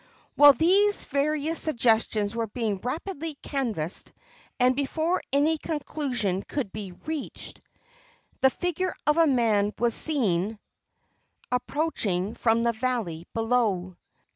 While these various suggestions were being rapidly canvassed, and before any conclusion could be reached, the figure of a man was seen approaching from the valley below.